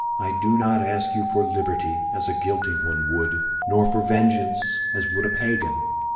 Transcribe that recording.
I do not ask you for liberty, as a guilty one would, nor for vengeance, as would a pagan.